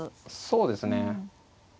そうですね。